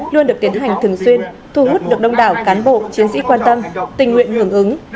luôn được tiến hành thường xuyên thu hút được đông đảo cán bộ chiến sĩ quan tâm tình nguyện hưởng ứng